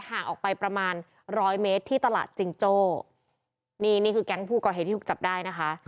ห่างออกไปประมาณร้อยเมตรที่ตลาดจิงโจ้นี่นี่คือแก๊งผู้ก่อเหตุที่ถูกจับได้นะคะ